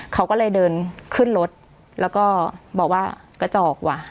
เขาก็เลยเดินขึ้นรถแล้วก็บอกว่ากระจอกว่ะ